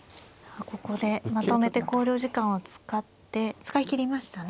ここでまとめて考慮時間を使って使い切りましたね。